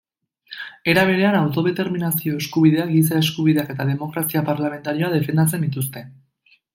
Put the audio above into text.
Era berean, autodeterminazio eskubidea, giza-eskubideak eta demokrazia parlamentarioa defendatzen dituzte.